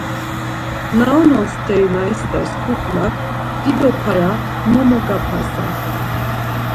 Na unon steri na isters kuklak dido para momogapasen.